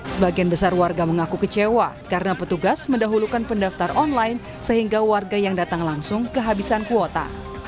sebagian besar warga mengaku kecewa karena petugas mendahulukan pendaftar online sehingga warga yang datang langsung kehabisan kuota